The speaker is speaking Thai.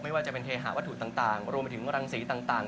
ไม่ว่าจะเป็นเทหาวัตถุต่างรวมไปถึงรังสีต่าง